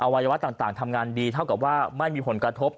วัยวะต่างทำงานดีเท่ากับว่าไม่มีผลกระทบ